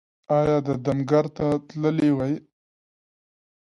ایا د دم ګر ته تللي وئ؟